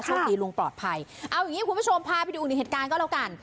ดีลุงปลอดภัยเอาอย่างงี้คุณผู้ชมพาไปดูอีกหนึ่งเหตุการณ์ก็แล้วกัน